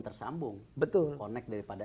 tersambung konek daripada